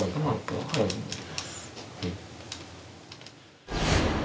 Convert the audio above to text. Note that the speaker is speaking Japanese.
はい。